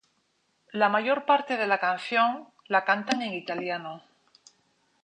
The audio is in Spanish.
La mayor parte de la canción la cantan en italiano.